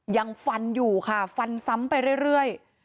ยังฟันอยู่ค่ะฟันซ้ำไปเรื่อย